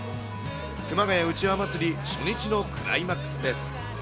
熊谷うちわ祭り初日のクライマックスです。